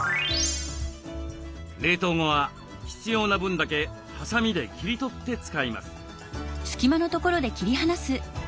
冷凍後は必要な分だけハサミで切り取って使います。